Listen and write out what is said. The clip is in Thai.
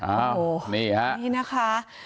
โอ้นี่ครับ